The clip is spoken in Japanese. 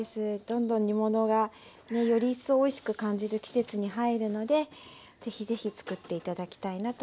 どんどん煮物がねより一層おいしく感じる季節に入るので是非是非作って頂きたいなと思います。